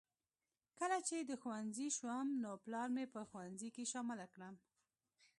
کله چې د ښوونځي شوم نو پلار مې په ښوونځي کې شامله کړم